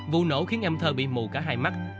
vụ nổ khiến em thơ bị mù cả hai mắt